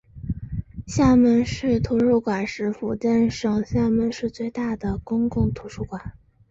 厦门市图书馆是福建省厦门市最大的公共图书馆。